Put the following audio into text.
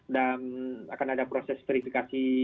akan ada proses verifikasi